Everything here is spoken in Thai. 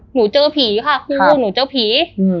หนูเจอผีค่ะครูหนูเจอผี